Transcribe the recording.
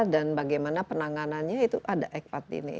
dan bagaimana penanganannya itu ada ekpat ini